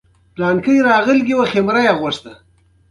پابندی غرونه د افغانستان د ځایي اقتصادونو بنسټ دی.